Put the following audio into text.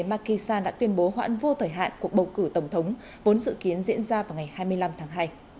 makisa đã tuyên bố hoãn vô thời hạn cuộc bầu cử tổng thống vốn dự kiến diễn ra vào ngày hai mươi năm tháng hai